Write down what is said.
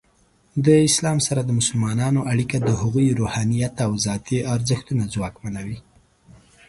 د اسلام سره د مسلمانانو اړیکه د هغوی روحانیت او ذاتی ارزښتونه ځواکمنوي.